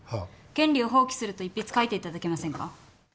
「権利を放棄する」と一筆書いていただけませんか？